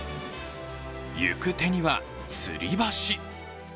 行く手にはつり橋。